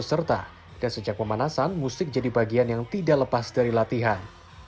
serta dan sejak pemanasan musik jadi bagian yang tidak lepas dari latihan